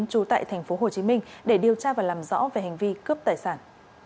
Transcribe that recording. trú tại tp hồ chí minh để điều tra và làm rõ về hành vi cướp tài sản